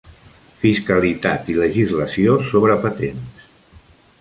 Fiscalitat i legislació sobre patents.